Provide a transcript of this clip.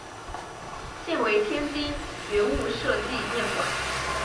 现为天津觉悟社纪念馆。